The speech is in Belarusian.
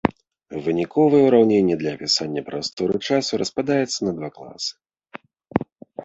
Выніковыя ўраўненні для апісання прасторы-часу распадаюцца на два класы.